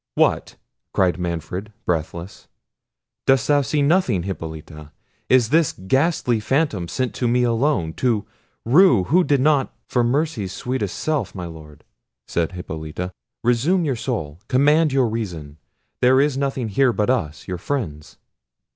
"What!" cried Manfred breathless; "dost thou see nothing, Hippolita? Is this ghastly phantom sent to me alone—to me, who did not—" "For mercy's sweetest self, my Lord," said Hippolita, "resume your soul, command your reason. There is none here, but us, your friends."